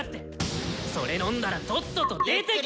それ飲んだらとっとと出てけ！